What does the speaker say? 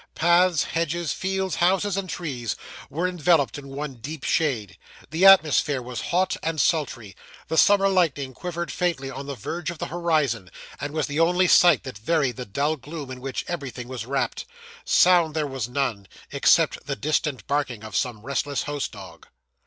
Paths, hedges, fields, houses, and trees, were enveloped in one deep shade. The atmosphere was hot and sultry, the summer lightning quivered faintly on the verge of the horizon, and was the only sight that varied the dull gloom in which everything was wrapped sound there was none, except the distant barking of some restless house dog.